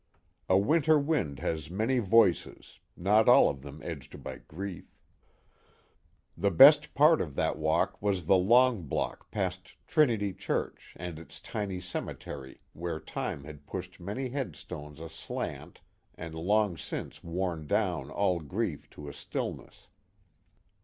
A winter wind has many voices, not all of them edged by grief. The best part of that walk was the long block past Trinity Church and its tiny cemetery where time had pushed many headstones aslant and long since worn down all grief to a stillness.